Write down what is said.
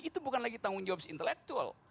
itu bukan lagi tanggung jawab intelektual